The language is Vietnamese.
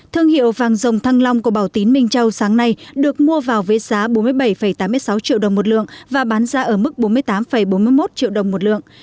thương hiệu vàng dòng thăng long của bảo tín minh châu sáng nay được mua vào với giá bốn mươi bảy tám mươi sáu triệu đồng một lượng và bán ra ở mức bốn mươi tám bốn mươi một triệu đồng một lượng